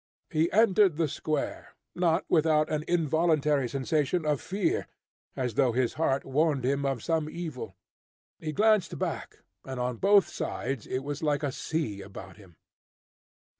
He entered the square, not without an involuntary sensation of fear, as though his heart warned him of some evil. He glanced back, and on both sides it was like a sea about him.